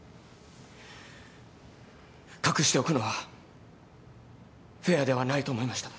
隠しておくのはフェアではないと思いました。